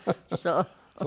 そう。